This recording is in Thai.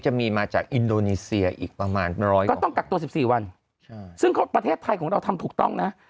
จะมีมาจากอินโดนีเซียอีกประมาณร้อยก็ต้องกักตัว๑๔วันซึ่งประเทศไทยของเราทำถูกต้องนะ